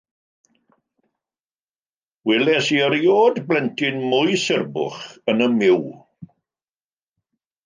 Welais i erioed blentyn mwy surbwch yn fy myw.